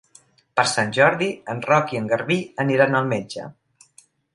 Per Sant Jordi en Roc i en Garbí aniran al metge.